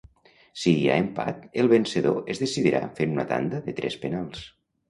Si hi ha empat, el vencedor es decidirà fent una tanda de tres penals.